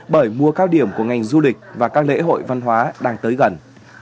bởi mùa cao điểm của ngành du lịch và các lễ hội văn hóa đang tới gần